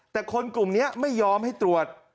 แต่คนกลุ่มนี้ไม่ยอมให้ตรวจ